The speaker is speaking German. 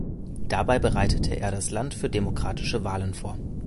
Dabei bereitete er das Land für demokratische Wahlen vor.